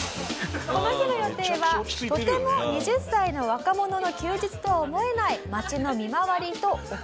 この日の予定はとても２０歳の若者の休日とは思えない町の見回りとお困り調査。